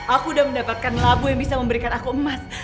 aku udah mendapatkan lagu yang bisa memberikan aku emas